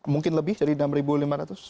mungkin lebih dari enam ribu lima ratus